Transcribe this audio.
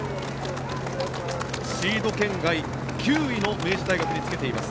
シード圏外９位の明治大学につけています。